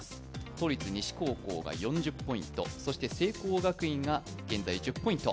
都立西高校が４０ポイント、そして聖光学院が現在１０ポイント。